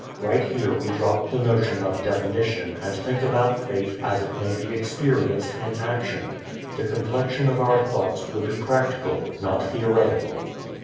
Right here we drop the notion of definition and think about faith as it may be experienced in action. The complexion of our thoughts will be practical, not theoretical.